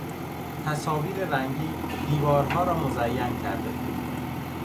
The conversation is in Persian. تصاویر رنگی دیوارها را مزین کرده بود.